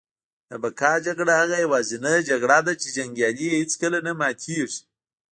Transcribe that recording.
د بقا جګړه هغه یوازینۍ جګړه ده چي جنګیالی یې هیڅکله نه ماتیږي